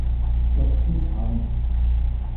肉絲炒麪